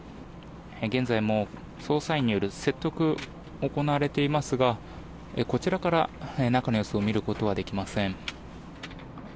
現在も捜査員による説得が行われていますがこちらから中の様子を見ることはできません。